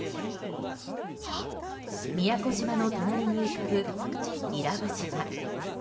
宮古島の隣に浮かぶ伊良部島。